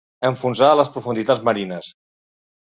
Enfonsar a les profunditats marines.